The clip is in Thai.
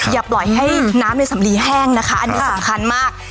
อย่าปล่อยให้น้ำในสำลีแห้งนะคะอันนี้สำคัญมาก